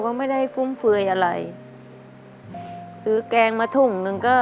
ทำให้เห็นได้เซลล์กัน